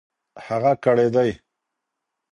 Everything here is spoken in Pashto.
هغه کړېدی .